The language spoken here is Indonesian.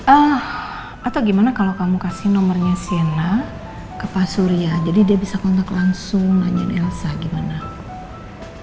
ehh atau gimana kalo kamu kasih nomernya si ena ke pak surya jadi dia bisa kontak langsung nanyain elsa gimana